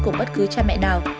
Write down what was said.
của bất cứ cha mẹ nào